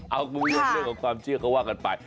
เอางงเรื่องของความเชื่อก็ว่ากันไป